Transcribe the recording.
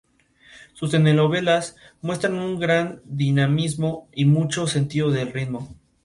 Fue una gobernante eficiente y poseía todas las cualidades de un monarca.